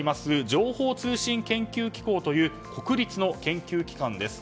情報通信研究機構という国立の研究機関です。